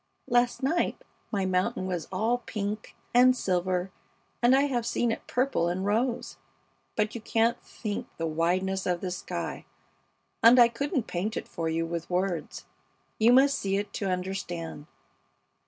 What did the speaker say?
Last night my mountain was all pink and silver, and I have seen it purple and rose. But you can't think the wideness of the sky, and I couldn't paint it for you with words. You must see it to understand.